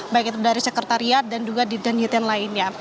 baik itu dari sekretariat dan juga di danten lainnya